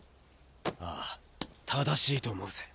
ああ正しいと思うぜ。